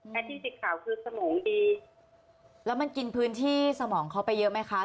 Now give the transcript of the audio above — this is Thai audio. และที่สีขาวคือสมองดีแล้วมันกินพื้นที่สมองเขาไปเยอะไหมคะ